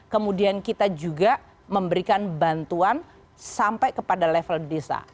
kemudian kita juga memberikan bantuan sampai kepada level desa